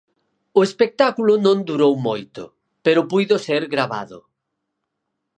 O espectáculo non durou moito, pero puido ser gravado.